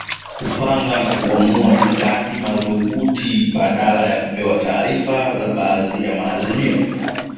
Kupanga na kuamua mikakati madhubuti badala ya kupewa taarifa za baadhi ya maazimio